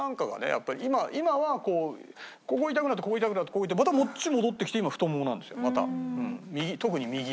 やっぱり今はここ痛くなってここ痛くなってまたこっち戻ってきて今太ももなんですよまた。